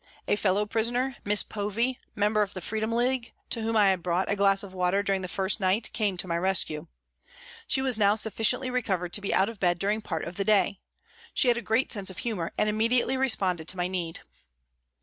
A fellow prisoner, Miss Povey, member of the Freedom League, to whom I had brought a glass of water during the first night, came to my rescue. She was now sufficiently recovered to be out of bed during part of the day. She had a great sense of humour and immediately responded to my need.